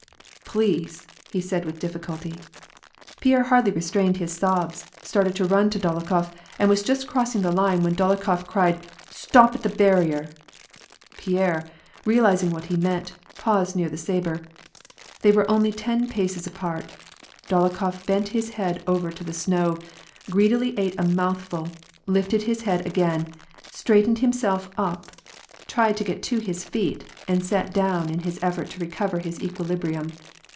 " Please "— said 'he with difficulty. Pierre, hardly restraining his sobs, started to run to Dolo khof and was just crossing the line, when Dolokhof cried, '^Stop at the barrier "; and Pierre, realizing what he meant, paused near the sabre. They were only ten paces apart. Dolokhof bent his head over to the snow, greedily ate a mouthful, lifted his head again, straightened himself up, tried to get to his feet, and sat down, in his effort to recover his equilibrium.